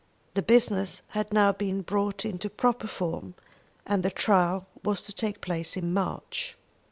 The business had now been brought into proper form, and the trial was to take place in March.